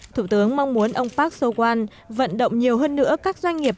thủ tướng mong muốn ông park so quan vận động nhiều hơn nữa các doanh nghiệp